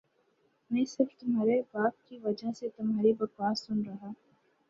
میں صرف تمہارے باپ کی وجہ سے تمہاری بکواس سن ربا